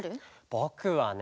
ぼくはね